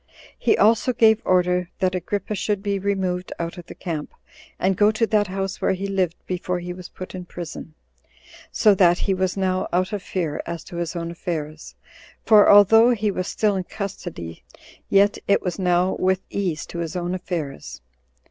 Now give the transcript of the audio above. He also gave order that Agrippa should be removed out of the camp, and go to that house where he lived before he was put in prison; so that he was now out of fear as to his own affairs; for although he was still in custody, yet it was now with ease to his own affairs.